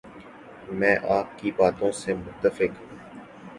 میں آپ کی باتوں سے متفق ہوں